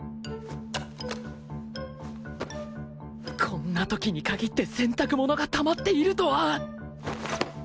こんな時に限って洗濯物がたまっているとは